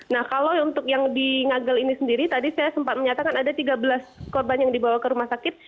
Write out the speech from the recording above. nah kalau untuk yang di ngagel ini sendiri tadi saya sempat menyatakan ada tiga belas korban yang dibawa ke rumah sakit